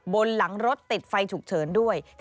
บนหลังรถติดไฟฉุกเฉินด้วย